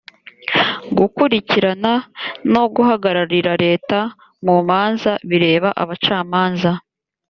gukurikirana no guhagararira leta mu manza bireba abacamanza.